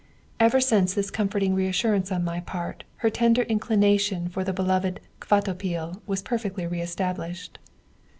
Ever since this comforting reassurance on my part, her tender inclination for the beloved Kvatopil was perfectly re established.